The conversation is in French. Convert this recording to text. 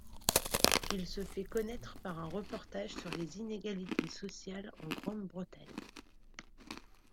Il se fait connaître par un reportage sur les inégalités sociales en Grande-Bretagne.